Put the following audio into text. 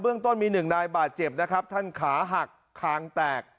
ต้นมีหนึ่งนายบาดเจ็บนะครับท่านขาหักคางแตก